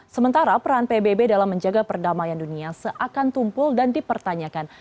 sementara peran pbb dalam menjaga perdamaian dunia seakan tumpul dan dipertanyakan